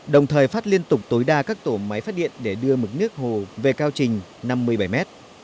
đồng thời phát liên tục tối đa các tổ máy phát điện để đưa mực nước hồ về cao trình năm mươi bảy mét